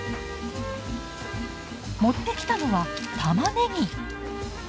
持ってきたのはたまねぎ。